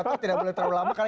kita tidak boleh terangkan